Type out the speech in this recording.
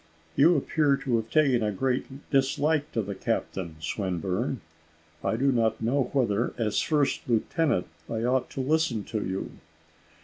"You appear to have taken a great dislike to the captain, Swinburne. I do not know whether, as first lieutenant, I ought to listen to you."